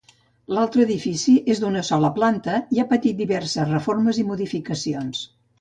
L'altre edifici és d'una sola planta i ha patit diverses reformes i modificacions.